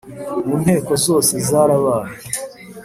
mu nteko zose zarabaye